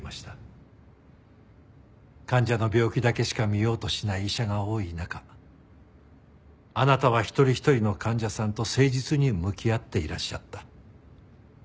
患者の病気だけしか診ようとしない医者が多い中あなたは一人一人の患者さんと誠実に向き合っていらっしゃった。